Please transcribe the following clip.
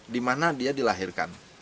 dimana dia dilahirkan